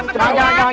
jangan jangan jangan